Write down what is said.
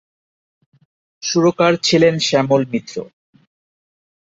সুরকার ছিলেন শ্যামল মিত্র।